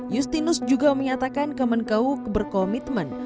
justinus juga menyatakan kemenkau berkomitmen